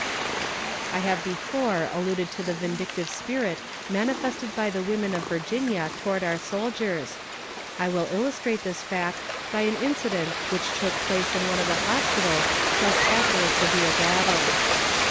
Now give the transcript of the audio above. I have before alluded to the vindictive spirit manifested by the women of Virginia toward our soldiers. I will illustrate this fact by an incident which took place in one of the hospitals just after a severe battle.